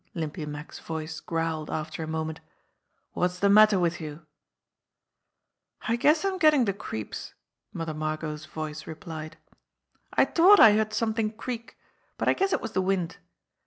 Limpy Mack's voice growled after a moment. "What's the matter with you?" "I guess I'm gettin' de creeps," Mother Margot's voice re plied. "I t'ought I heard somethin' creak, but I guess it was de wind.